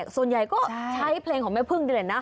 ส่วนใหญ่ก็ใช้เพลงของแม่พึ่งด้วยนะ